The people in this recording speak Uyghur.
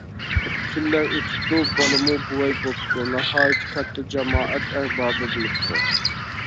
كۈنلەر ئۆتۈپتۇ. بالىمۇ بوۋاي بوپتۇ. ناھايىتى كاتتا جامائەت ئەربابى بولۇپتۇ.